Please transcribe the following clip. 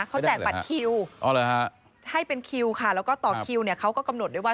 เขาแจกบัตรคิวให้เป็นคิวค่ะแล้วก็ต่อคิวเนี่ยเขาก็กำหนดด้วยว่า